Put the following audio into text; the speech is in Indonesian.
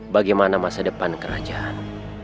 bagaimana masa depan kerajaan